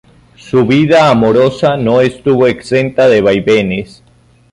Su vida amorosa no estuvo exenta de vaivenes.